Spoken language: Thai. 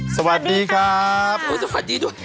สวัสดีครับสวัสดีด้วย